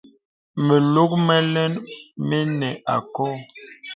Mə lɔk məlɛn mənə àkɔ̄ɔ̄.